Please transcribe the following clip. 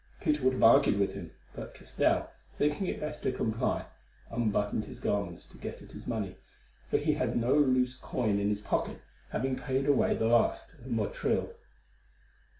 Peter would have argued with him; but Castell, thinking it best to comply, unbuttoned his garments to get at his money, for he had no loose coin in his pocket, having paid away the last at Motril.